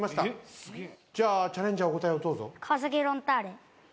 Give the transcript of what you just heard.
じゃあチャレンジャーお答えをどうぞ。